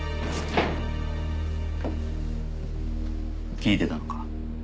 聞いてたのか？